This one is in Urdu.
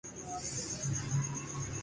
ہمت ہے تو ایسا کر کے دکھاؤ